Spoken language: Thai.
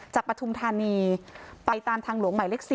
จากปทุมธานีไปตามทางหลวงใหม่เล็ก๔